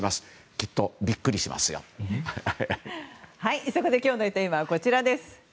きっとビックリしますよ。ということで今日のテーマはこちらです。